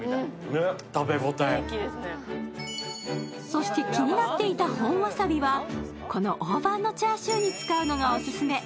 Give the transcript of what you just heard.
そして気になっていた本わさびは、この大判のチャーシューに使うのがオススメ。